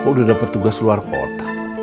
kok udah dapat tugas luarkot